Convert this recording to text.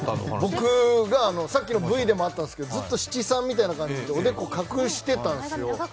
僕がさっきのＶでもあったんですけどずっと七三みたいな感じでおデコを隠してたんですよ。